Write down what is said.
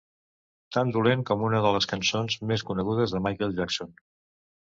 Tan dolent com una de les cançons més conegudes de Michael Jackson.